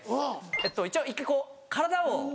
一応１回こう体を。